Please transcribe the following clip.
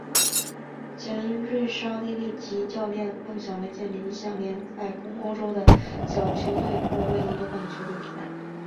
前瑞士奥地利籍教练梦想为建立一项联赛供欧洲的小球队或未能夺冠的球队比赛。